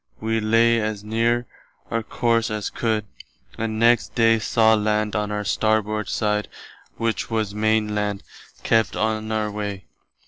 We lay as near our course as could, and next day saw land on our starboard side which was the Maine [Land]. Kept on our way.